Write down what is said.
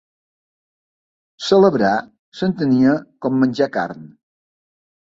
Celebrar s'entenia com menjar carn.